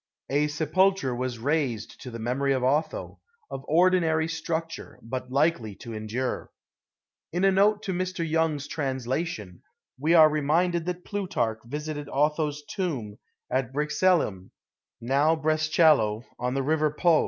A sepulcher was raised to the memory of Otho, of ordinary structure, but likely to endure/* In a note to Mr. Tonge's translation, we are reminded that Plutarch visited Otho^s tomb at Brixellam, now Brescello, on the river Po.